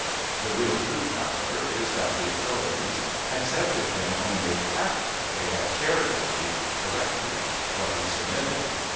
The real truth, however, is that the authorities accepted him only after they had charitably "corrected" what he submitted.